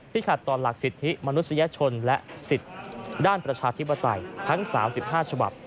ขัดต่อหลักสิทธิมนุษยชนและสิทธิ์ด้านประชาธิปไตยทั้ง๓๕ฉบับ